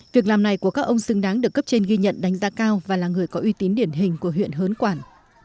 việc làm này của các ông xứng đáng được cấp trên ghi nhận đánh giá cao và là người có uy tín điển hình của huyện hớn quản